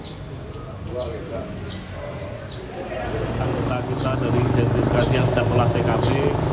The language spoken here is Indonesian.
kami berkata dari jentrikasi yang sudah melatih kb